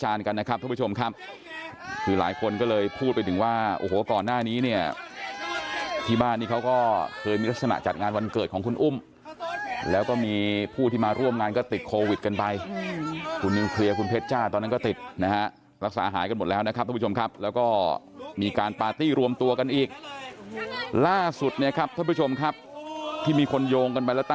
ภาพวิจารณ์กันนะครับท่านผู้ชมครับคือหลายคนก็เลยพูดไปถึงว่าโอ้โหก่อนหน้านี้เนี่ยที่บ้านนี้เขาก็เคยมีลักษณะจัดงานวันเกิดของคุณอุ้มแล้วก็มีผู้ที่มาร่วมงานก็ติดโควิดกันไปคุณนิวเคลียร์คุณเพชรจ้าตอนนั้นก็ติดนะฮะรักษาหายกันหมดแล้วนะครับท่านผู้ชมครับแล้วก็มีการปาร์ตี้รวมตัวกันอ